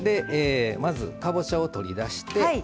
まずかぼちゃを取り出して。